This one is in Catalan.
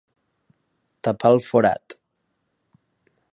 Tapar el forat.